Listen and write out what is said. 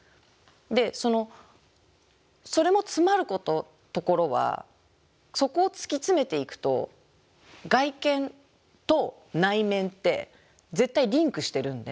でそれもつまるところはそこを突き詰めていくと外見と内面って絶対リンクしてるんで。